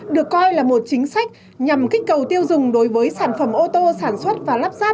được coi là một chính sách nhằm kích cầu tiêu dùng đối với sản phẩm ô tô sản xuất và lắp ráp